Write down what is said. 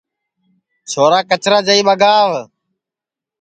چھورا کچرا جائی ٻگاو